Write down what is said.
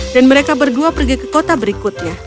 dan mereka berdua pergi ke kota berikutnya